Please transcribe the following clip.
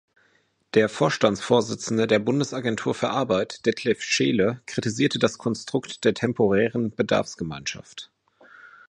Der Vorstandsvorsitzender der Bundesagentur für Arbeit Detlef Scheele kritisierte das Konstrukt der temporären Bedarfsgemeinschaft.